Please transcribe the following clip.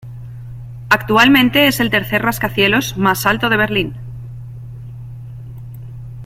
Actualmente es el tercer rascacielos más alto de Berlín.